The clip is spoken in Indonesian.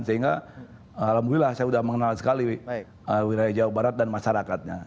sehingga alhamdulillah saya sudah mengenal sekali wilayah jawa barat dan masyarakatnya